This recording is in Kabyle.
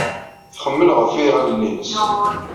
Txemmel ɣef yiɣallen-nnes.